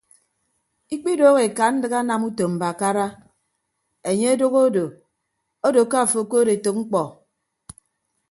Ikpidoho ekandịk anam utom mbakara anye adoho do ado ke afo okood etәk mkpọ.